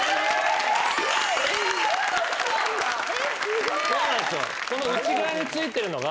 すごい！